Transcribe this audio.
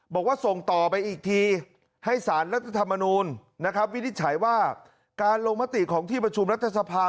บอกว่าส่งต่อไปอีกทีให้สารรัฐธรรมนูลนะครับวินิจฉัยว่าการลงมติของที่ประชุมรัฐสภา